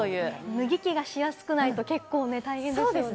脱ぎ着しやすくないと大変ですよね。